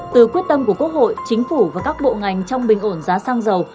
từ quyết tâm của quốc hội chính phủ và các bộ ngành trong bình ổn giá xăng dầu